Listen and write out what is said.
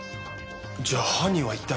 じゃあ犯人は一体。